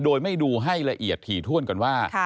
โดยไม่ดูให้ละเอียดถี่ถ้วนก่อนว่า